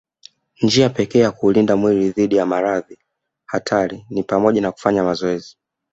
Njia pekee ya kuulinda mwili dhidi ya maradhi hatari ni pamoja na kufanya mazoezi